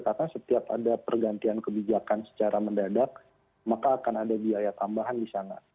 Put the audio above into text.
karena setiap ada pergantian kebijakan secara mendadak maka akan ada biaya tambahan di sana